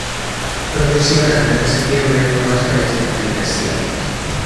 Procesiona el mes de septiembre por las calles de la feligresía.